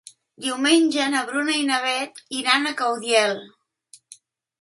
Diumenge na Bruna i na Beth iran a Caudiel.